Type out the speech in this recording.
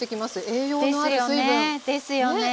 栄養のある水分。ですよねですよね。